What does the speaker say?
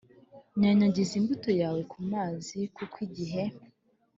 Nyanyagiza imbuto yawe ku mazi kuko igihe